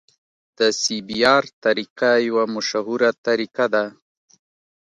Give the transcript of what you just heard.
د سی بي ار طریقه یوه مشهوره طریقه ده